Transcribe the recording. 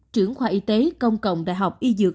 trưởng khoa y tế công cộng đại học y dược